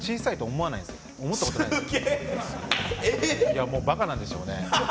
いやもうバカなんでしょうね